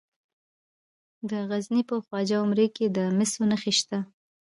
د غزني په خواجه عمري کې د مسو نښې شته.